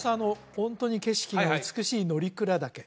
ホントに景色が美しい乗鞍岳